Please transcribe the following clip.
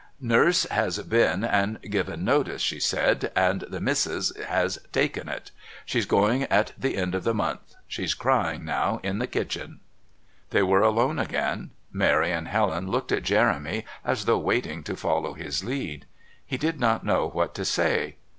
"Nurse has been and given notice," she said, "and the Missis has taken it. She's going at the end of the month. She's crying now in the kitchen." They were alone again. Mary and Helen looked at Jeremy as though waiting to follow his lead. He did not know what to say.